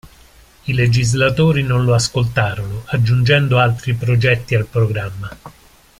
I legislatori non lo ascoltarono, aggiungendo altri progetti al programma.